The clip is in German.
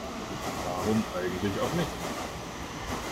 Warum eigentlich auch nicht?